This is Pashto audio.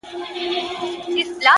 نور به شاعره زه ته چوپ ووسو.